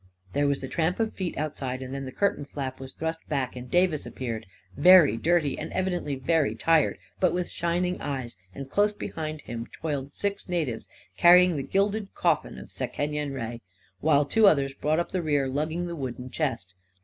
There was the tramp of feet outside, and then the curtain flap was thrust back, and Davis appeared — very dirty and evidently very tired, but with shin ing eyes; and close behind him toiled six natives, carrying the gilded coffin of Sekenyen Re, while two others brought up the rear lugging the wooden chest.